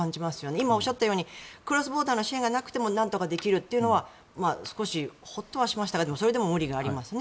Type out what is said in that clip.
今おっしゃったようにクロスボーダーの支援がなくてもなんとかできるというのは少しホッとしましたがそれでも無理はありますよね。